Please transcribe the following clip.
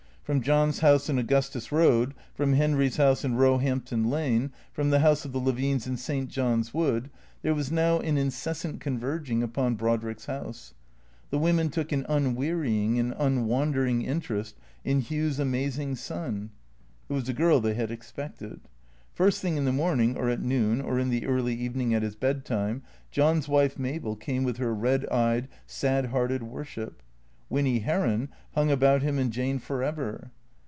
From John's house in Augustus Eoad, from Henry's house in Eoehampton Lane, from the house of the Levines in St. John's Wood, there was now an incessant converging upon Brodrick's house. The women took an unwearying and unwandering in terest in Hugh's amazing son. (It was a girl they had ex pected.) First thing in the morning, or at noon, or in the early evening at his bed time, John's wife, Mabel, came with her red eyed, sad hearted worship. Winny Heron hung about him and Jane for ever.